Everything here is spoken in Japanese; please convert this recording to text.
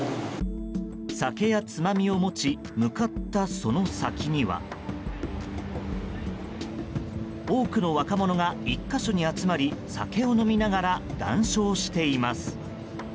酒や、つまみを持ち向かったその先には多くの若者が１か所に集まり酒を飲みながら談笑しています。